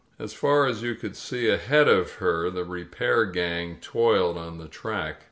As far as you could see ahead of her, the repair gang toiled on the track.